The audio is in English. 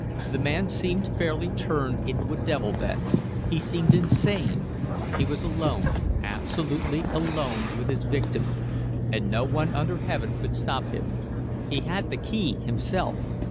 The man seemed fairly turned into a devil then. He seemed insane. He was alone, absolutely alone, with his victim. And no one under heaven could stop him. He had the key himself!